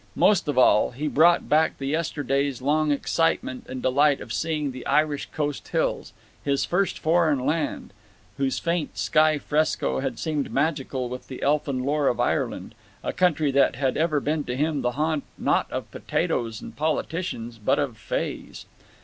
Most of all, he brought back the yesterday's long excitement and delight of seeing the Irish coast hills—his first foreign land—whose faint sky fresco had seemed magical with the elfin lore of Ireland, a country that had ever been to him the haunt not of potatoes and politicians, but of fays.